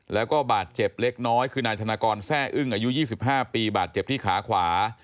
แล้วก็บาดเจ็บเล็กน้อยคือนายธนกรแซ่อึ้งอายุ๒๕ปีบาดเจ็บที่ขาขวา